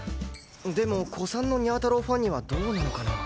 でも古参のにゃ太郎ファンにはどうなのかなあ。